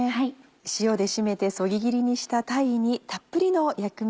塩で締めてそぎ切りにした鯛にたっぷりの薬味